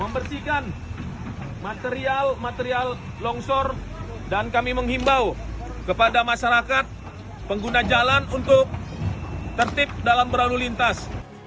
membersihkan material material longsor dan kami menghimbau kepada masyarakat pengguna jalan untuk tertib dalam berlalu lintas